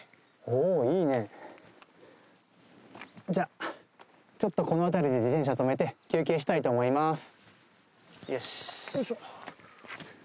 おおいいねじゃあちょっとこの辺りで自転車止めて休憩したいと思いますよしよいしょ